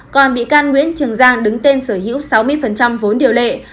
còn bị can nguyễn trường giang đứng tên sở hữu sáu mươi vốn điều lệ